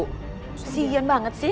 kesian banget sih